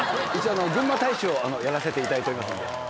一応。やらせていただいておりますんで。